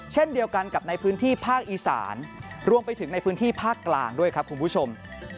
เช่นเดียวกันกับในพื้นที่ภาคอีสานรวมไปถึงในพื้นที่ภาคกลางด้วยครับคุณผู้ชม